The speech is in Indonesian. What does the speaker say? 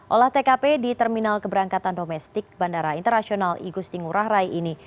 olah tkp di terminal keberangkatan domestik bandara internasional igusti ngurah rai ini